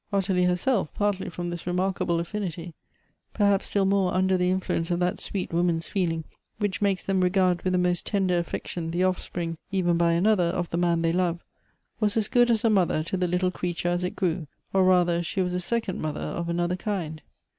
Ottilie herself, partly from this remarkable affinity, perhaps still more under the influence of that sweet woman's feeling which makes them regard with the most tender affection the offspring, even by another, of the man they love, was as good as a mother to the little creature as it grew, or rather, she was a second mother of another kind.